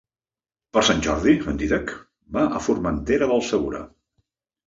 Per Sant Jordi en Dídac va a Formentera del Segura.